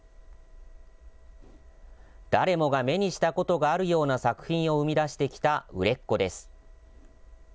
誰もが目にしたことがあるような作品を生み出してきた売れっ子です。